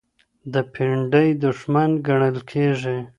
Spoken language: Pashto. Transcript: د پينډۍ دښمن ګڼل کېږي.